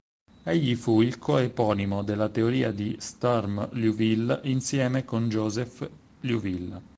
Egli fu il co-eponimo della teoria di Sturm-Liouville insieme con Joseph Liouville.